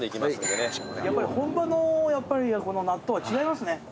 やっぱり本場の納豆は違いますね。